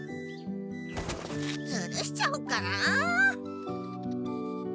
ずるしちゃおうかな。